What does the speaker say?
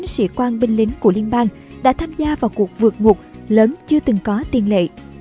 một trăm linh chín sĩ quan binh lính của liên bang đã tham gia vào cuộc vượt ngục lớn chưa từng có tiên lệ